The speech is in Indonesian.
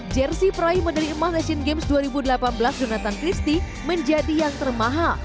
jersey prime dari emanation games dua ribu delapan belas jonathan christie menjadi yang termahal